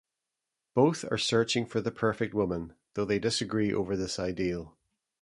Both are searching for the perfect woman, though they disagree over this ideal.